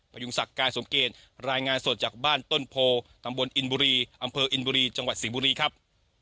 พยุงศักดิ์การสมเกตรายงานสดจากบ้านต้นโพตำบลอินบุรีอำเภออินบุรีจังหวัดสิงห์บุรีครับ